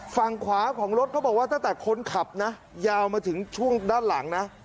ฝั่งขวาของรถเขาบอกว่าตั้งแต่คนขับนะยาวมาถึงช่วงด้านหลังนะ